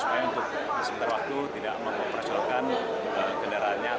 keluarnya maklumat kapolda jawa tengah ini tidak melarang masyarakat untuk berunjuk rasa di daerah masing masing